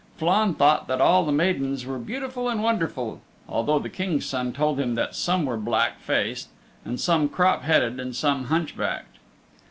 Flann thought that all the maidens were beautiful and wonderful, although the King's Son told him that some were black faced, and some crop headed and some hunchbacked.